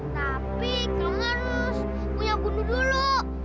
tapi kamu harus punya gundu dulu